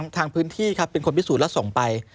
ทางพื้นที่ครับเป็นคนพิสูจน์และส่งไป